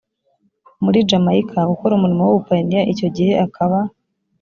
muri jamayika gukora umurimo w ubupayiniya icyo gihe akaba